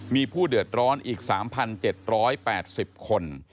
มีผู้เดือดร้อนอีก๓๗๘๐คน